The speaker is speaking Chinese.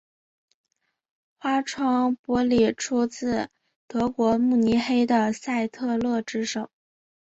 花窗玻璃出自德国慕尼黑的赛特勒之手。